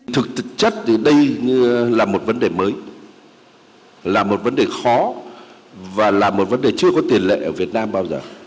thực chất thì đây là một vấn đề mới là một vấn đề khó và là một vấn đề chưa có tiền lệ ở việt nam bao giờ